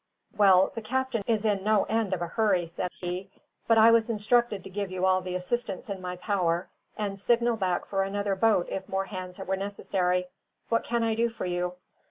"Well, the captain is in no end of a hurry," said he; "but I was instructed to give you all the assistance in my power, and signal back for another boat if more hands were necessary. What can I do for you?"